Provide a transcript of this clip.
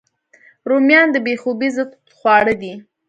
رومیان د بې خوبۍ ضد خواړه دي